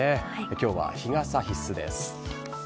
今日は日傘必須です。